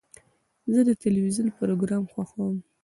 زه د تلویزیون پروګرام خوښوم.